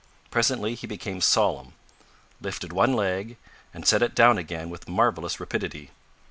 Presently he became solemn, lifted one leg, and set it down again with marvellous rapidity.